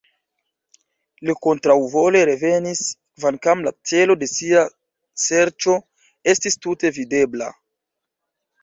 Li kontraŭvole revenis, kvankam la celo de sia serĉo estis tute videbla.